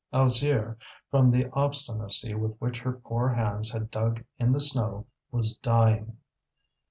Alzire, from the obstinacy with which her poor hands had dug in the snow, was dying.